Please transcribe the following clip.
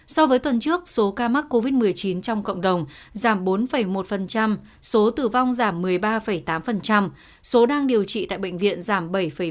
so với tuần trước số ca mắc covid một mươi chín trong cộng đồng giảm bốn một số tử vong giảm một mươi ba tám số đang điều trị tại bệnh viện giảm bảy ba mươi